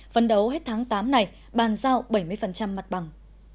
phần đầu hết tháng tám này ban giao bảy mươi mặt bằng